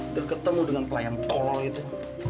udah ketemu dengan klien tol gitu